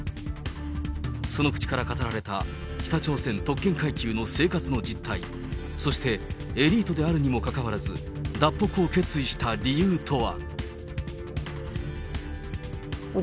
その口から語られた、北朝鮮特権階級の生活の実態、そしてエリートであるにもかかわらず、脱北を決意した理由とは。